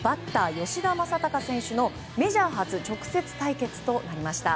吉田正尚選手のメジャー初直接対決となりました。